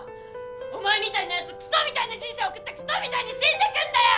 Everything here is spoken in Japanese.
お前みたいなやつくそみたいな人生送ってくそみたいに死んでくんだよ！